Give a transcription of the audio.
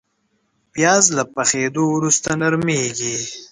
پیاز له پخېدو وروسته نرمېږي